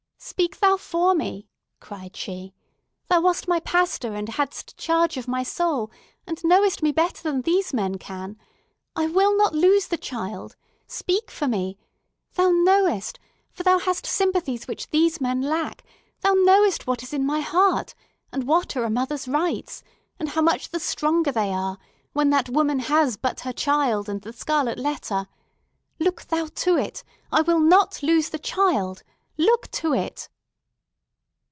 "Speak thou for me!" cried she. "Thou wast my pastor, and hadst charge of my soul, and knowest me better than these men can. I will not lose the child! Speak for me! Thou knowest—for thou hast sympathies which these men lack—thou knowest what is in my heart, and what are a mother's rights, and how much the stronger they are when that mother has but her child and the scarlet letter! Look thou to it! I will not lose the child! Look to it!"